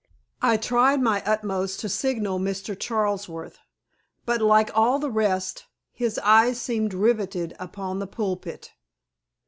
I tried my utmost to signal to Mr. Charlsworth, but, like all the rest, his eyes seemed riveted upon the pulpit.